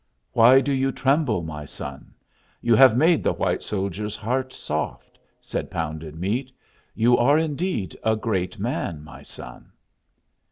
"Why do you tremble, my son? You have made the white soldier's heart soft," said Pounded Meat. "You are indeed a great man, my son."